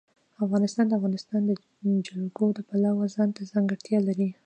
افغانستان د د افغانستان جلکو د پلوه ځانته ځانګړتیا لري.